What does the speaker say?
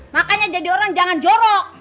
makanya jadi orang jangan jorok